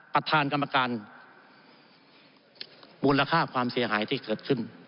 ประธานกรรมการมูลค่าความเสียหายที่เกิดขึ้น